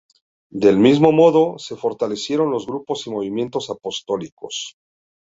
Del mismo modo, se fortalecieron los grupos y movimientos apostólicos.